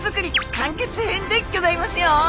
「完結編」でギョざいますよ！